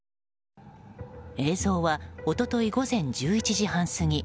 映像は一昨日午前１１時半過ぎ。